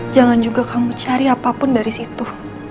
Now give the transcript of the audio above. jangan juga kamu cari apapun dari situ